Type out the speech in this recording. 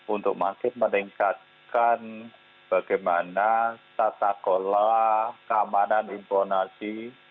untuk makin meningkatkan bagaimana tata kelola keamanan informasi